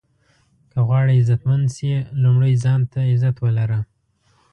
که غواړئ عزتمند شې لومړی ځان ته عزت ولره.